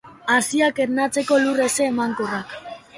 Haziak ernatzeko lur heze emankorrak.